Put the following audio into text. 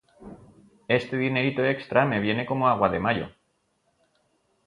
Este dinerito extra me viene como agua de mayo